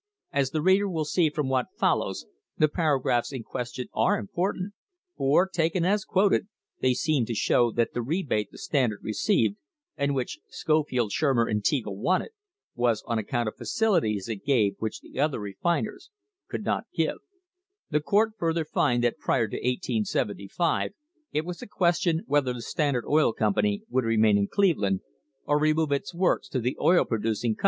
As the reader will see from what fol lows, the paragraphs in question are important, for, taken as quoted, they seem to show that the rebate the Standard re ceived, and which Scofield, Shurmer and Teagle wanted, was on account of facilities it gave which the other refiners could not give: ''The court further find that prior to 1875 it was a question whether the Standard Oil Company would remain in Cleveland or remove its works to the oil producing * See Appendix, Number 45, Findings of Fact.